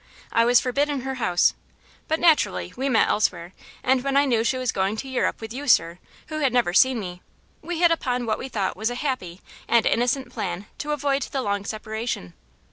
I was forbidden her house, but naturally we met elsewhere, and when I knew she was going to Europe with you, sir, who had never seen me, we hit upon what we thought was a happy and innocent plan to avoid the long separation.